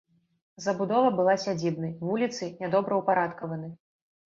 Забудова была сядзібнай, вуліцы нядобраўпарадкаваны.